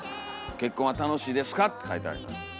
「結婚はたのしいですか？」って書いてあります。